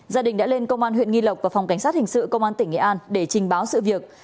gia đình đã lên công an huyện nghi lộc và phòng cảnh sát hình sự công an tỉnh nghệ an để trình báo sự việc